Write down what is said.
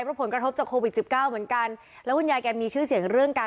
เพราะผลกระทบจากโควิดสิบเก้าเหมือนกันแล้วคุณยายแกมีชื่อเสียงเรื่องการ